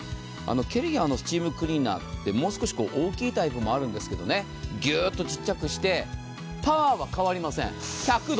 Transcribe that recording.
ケルヒャーのスチームクリーナーってもう少し大きいタイプもあるんですけど、ぎゅーっとちっちゃくしてパワーは変わりません、１００度。